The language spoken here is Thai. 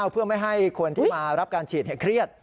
เพื่อไม่ให้คนที่มารับการฉีดเครียด